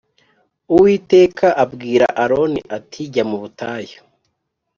Uwiteka abwira Aroni ati Jya mu butayu.